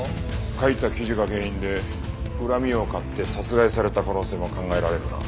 書いた記事が原因で恨みを買って殺害された可能性も考えられるな。